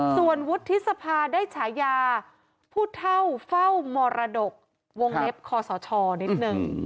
ส่วนวุฒิสภาได้ฉายาผู้เท่าเฝ้ามรดกวงเล็บคอสชนิดนึง